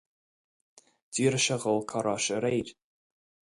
D'fhiafraigh sé de cá raibh sé aréir.